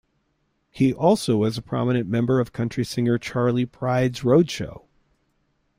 He also was a prominent member of country singer Charley Pride's road show.